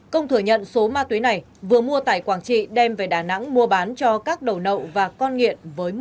công thừa nhận số ma túy này vừa mua tại quảng trị đem về đà nẵng mua bán cho các đầu nậu và con nghiện